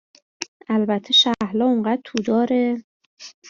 البته شهلا انقدر توداره